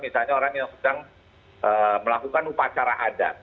misalnya orang yang sedang melakukan upacara adat